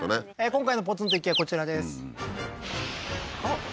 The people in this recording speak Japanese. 今回のポツンと一軒家はこちらですあっ